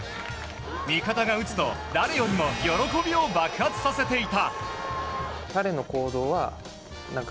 味方が打つと誰よりも喜びを爆発させていた。